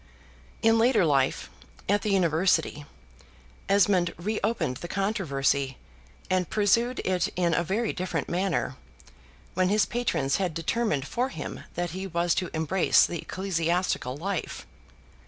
In later life, at the University, Esmond reopened the controversy, and pursued it in a very different manner, when his patrons had determined for him that he was to embrace the ecclesiastical life.